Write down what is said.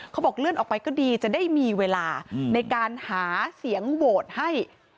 บอกเลื่อนออกไปก็ดีจะได้มีเวลาในการหาเสียงโหวตให้